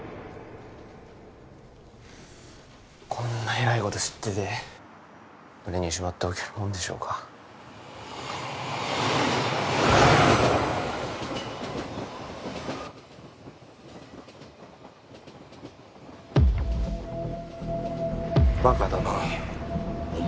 こんなえらいこと知ってて☎胸にしまっておけるもんでしょうかバカだなお前